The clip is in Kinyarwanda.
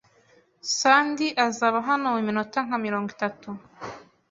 Sandy azaba hano muminota nka mirongo itatu.